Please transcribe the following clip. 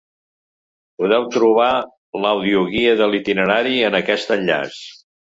Podeu trobar l’audioguia de l’itinerari en aquest enllaç.